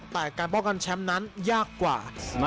แต่การป้องกันแชมป์นั้นยากกว่า